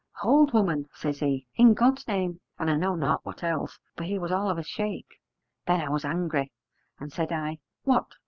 'Hold, woman,' says he, 'in God's name!' and I know not what else: he was all of a shake. Then I was angry, and said I, 'What!